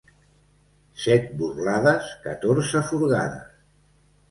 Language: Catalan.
Set burlades, catorze furgades.